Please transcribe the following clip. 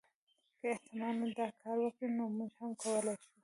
که احتمالا دا کار وکړي نو موږ هم کولای شو.